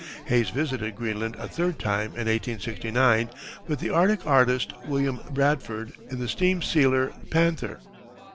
Hayes visited Greenland a third time, in 1869, with the Arctic artist, William Bradford, in the steam sealer Panther.